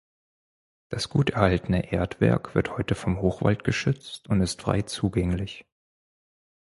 Das gut erhaltene Erdwerk wird heute vom Hochwald geschützt und ist frei zugänglich.